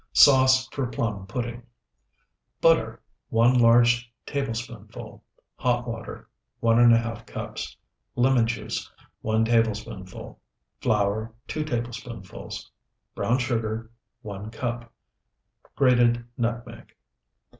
SAUCE FOR PLUM PUDDING Butter, 1 large tablespoonful. Hot water, 1½ cups. Lemon juice, 1 tablespoonful. Flour, 2 tablespoonfuls. Brown sugar, 1 cup. Grated nutmeg.